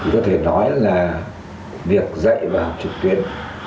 có thể nói là việc dạy và học trực tuyến